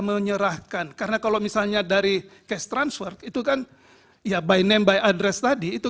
menyerahkan karena kalau misalnya dari cash transfer itu kan ya by name by address tadi itu